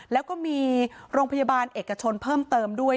แล้วก็มีโรงพยาบาลเอกชนเพิ่มเติมด้วย